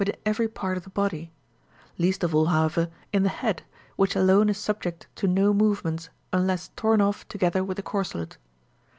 5 in every part of the body ; least of all, however, in the head, which alone is subject to no movements unless torn off together with the corselet.